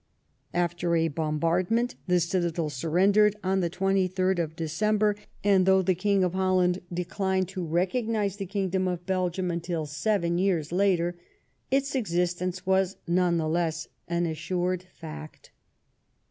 After a bombardment, the citadel surrendered on the 23rd of December; and though the King of Holland declined to recognise the kingdom of Belgium until seven years later, its existence was none the less an assured fact.